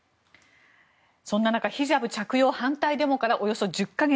そんな中ヒジャブ着用反対デモからおよそ１０か月。